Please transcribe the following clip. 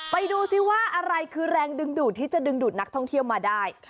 ไปดูซิว่าอะไรคือแรงดึงดูดที่จะดึงดูดนักท่องเที่ยวมาได้